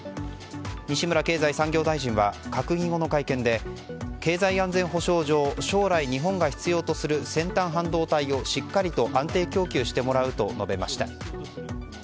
西村経済産業大臣は閣議後の会見で経済安全保障上将来、日本が必要とする先端半導体を、しっかりと安定供給してもらうと述べました。